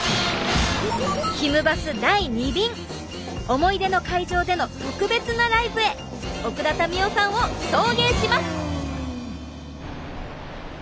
思い出の会場での特別なライブへ奥田民生さんを送迎します！